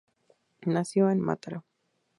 Nació en Mataró.